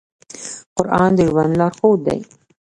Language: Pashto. قرآن د ژوند لارښود دی.